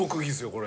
これ。